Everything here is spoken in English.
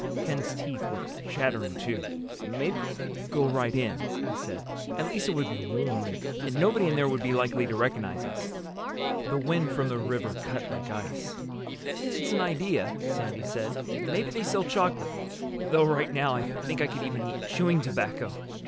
Ken's teeth were chattering, too. "Maybe we could go right in," he said. "At least it would be warm. And nobody in there would be likely to recognize us." The wind from the river cut like ice. "It's an idea," Sandy said. "Maybe they sell chocolate. Though right now I think I could even eat chewing tobacco."